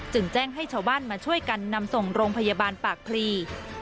แจ้งให้ชาวบ้านมาช่วยกันนำส่งโรงพยาบาลปากพลี